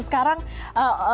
sekarang teman teman bisa berkebun